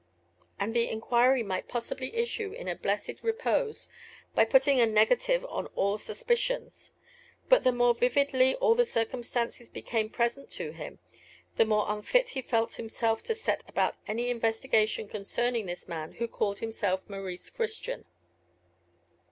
And the enquiry might possibly issue in a blessed repose, by putting a negative on all his suspicions. But the more vividly all the circumstances became present to him, the more unfit he felt himself to set about any investigation concerning this man who called himself Maurice Christian.